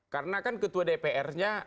karena kan ketua dpr nya